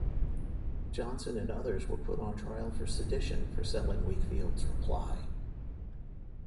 Johnson and others were put on trial for sedition for selling Wakefield's "Reply".